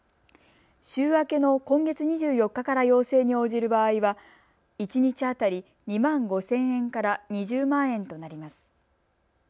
週明けの今月２４日から要請に応じる場合は一日当たり２万５０００円から２０万円となります。